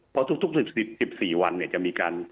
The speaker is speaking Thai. เพราะทุก๑๔วันจะมีการ